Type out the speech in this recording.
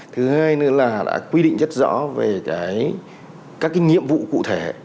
thứ hai nữa là đã quy định rất rõ về các nhiệm vụ cụ thể